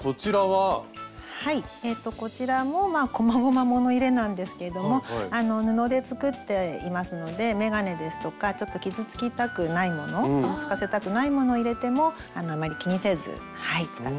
はいこちらもこまごま物入れなんですけども布で作っていますので眼鏡ですとかちょっと傷つきたくないもの傷つかせたくないものを入れてもあんまり気にせず使って頂けます。